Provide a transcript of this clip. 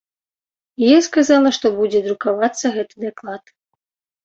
Я сказала, што будзе друкавацца гэты даклад.